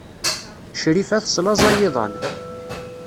Crifa teslaẓay iḍan.